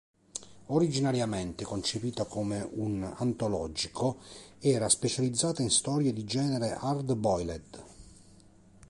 Originariamente concepita come un antologico, era specializzata in storie di genere hard boiled.